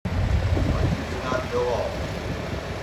But you do not know all.